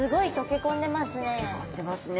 溶け込んでますね。